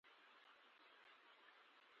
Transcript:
دروازه په اسانۍ سره خلاصیږي.